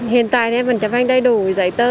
hiện tại mình chấp hành đầy đủ giấy tơ